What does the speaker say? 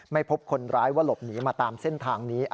ไม่พบคนร้ายว่าหลบหนีมาตามเส้นทางนี้